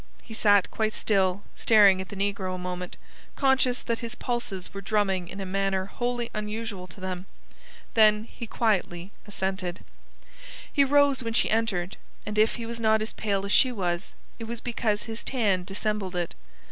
He sat quite still, staring at the negro a moment, conscious that his pulses were drumming in a manner wholly unusual to them. Then quietly he assented. He rose when she entered, and if he was not as pale as she was, it was because his tan dissembled it.